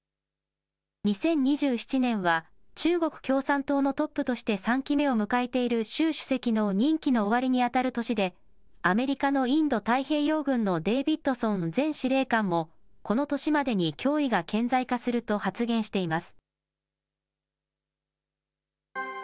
２０２７年は、中国共産党のトップとして３期目を迎えている習主席の任期の終わりに当たる年で、アメリカのインド太平洋軍のデービッドソン前司令官もこの年までに脅威が顕在化すると発言しています。